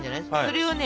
それをね